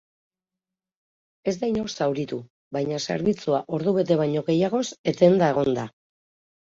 Ez da inor zauritu, baina zerbitzua ordubete baino gehiagoz etenda egon da.